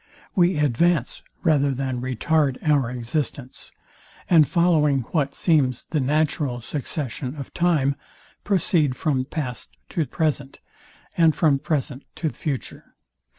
We advance, rather than retard our existence; and following what seems the natural succession of time, proceed from past to present, and from present to future.